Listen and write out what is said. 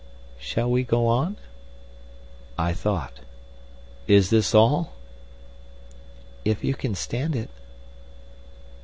"Shall we go on?" I thought. "Is this all?" "If you can stand it."